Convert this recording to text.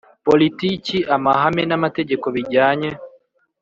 politiki amahame n amategeko bijyanye